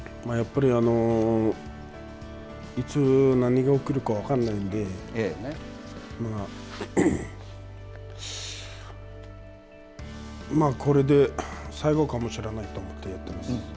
やっぱり、いつ、何が起きるか分からないんでこれで最後かもしれないと思ってやってます。